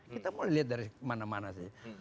kita mulai lihat dari mana mana saja